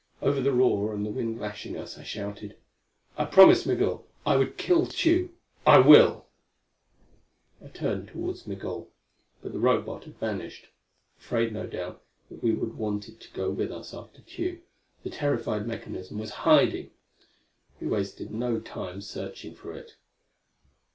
Over the roar, and the wind lashing us, I shouted: "I promised Migul I would kill Tugh. I will!" I turned toward Migul. But the Robot had vanished! Afraid, no doubt, that we would want it to go with us after Tugh, the terrified mechanism was hiding. We wasted no time searching for it.